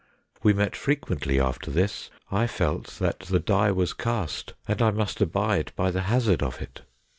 We met frequently after this. I felt that the die was cast and I must abide by the hazard of it.